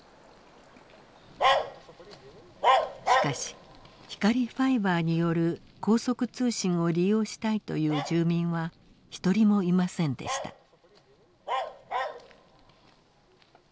しかし光ファイバーによる高速通信を利用したいという住民は一人もいませんでした。